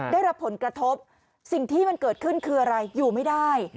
ได้รับผลกระทบสิ่งที่มันเกิดขึ้นคืออะไรอยู่ไม่ได้